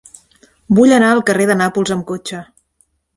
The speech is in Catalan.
Vull anar al carrer de Nàpols amb cotxe.